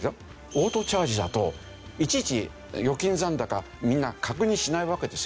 オートチャージだといちいち預金残高みんな確認しないわけですよ。